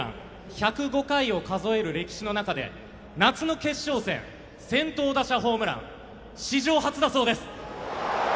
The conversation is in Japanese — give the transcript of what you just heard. １０５回を数える歴史の中で夏の決勝戦、先頭打者ホームラン史上初だそうです！